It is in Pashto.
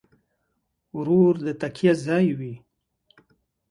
ورور د تکیه ځای وي.